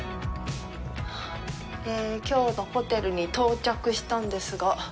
きょうのホテルに到着したんですが。